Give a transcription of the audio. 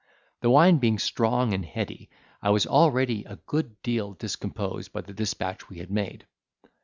The wine being strong and heady, I was already a good deal discomposed by the dispatch we had made.